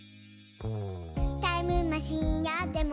「タイムマシンあっても」